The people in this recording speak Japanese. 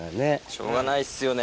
しょうがないですよね。